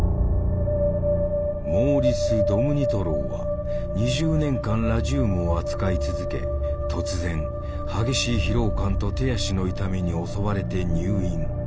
モーリス・ドムニトローは２０年間ラジウムを扱い続け突然激しい疲労感と手足の痛みに襲われて入院。